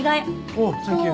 おうサンキュー。